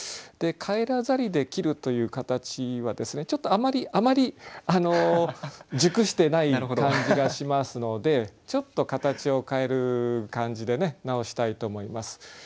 で「返らざり」で切るという形はちょっとあまりあまりあの熟してない感じがしますのでちょっと形を変える感じで直したいと思います。